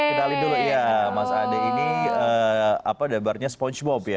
kenalin dulu ya mas ade ini debarnya spongebob ya